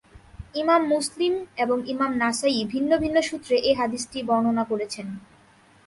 ইমাম মুসলিম এবং ইমাম নাসাঈ ভিন্ন ভিন্ন সূত্রে এ হাদীসটি বর্ণনা করেছেন।